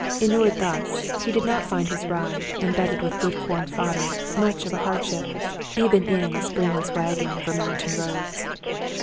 Inured thus, he did not find his ride, embedded with good corn fodder, much of a hardship, even in a springless wagon over mountain roads.